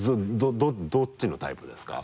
どっちのタイプですか？